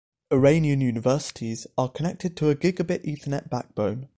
Iranian universities are connected to a gigabit ethernet backbone.